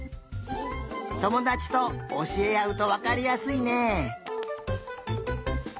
ともだちとおしえあうとわかりやすいね。